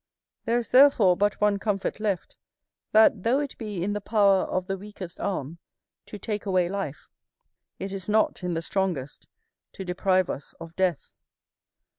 There is therefore but one comfort left, that though it be in the power of the weakest arm to take away life, it is not in the strongest to deprive us of death.